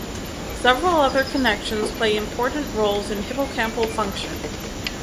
Several other connections play important roles in hippocampal function.